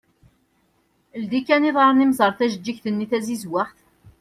Ldi kan iḍarren-im ẓer tajeğğigt-nni tazizwaɣt.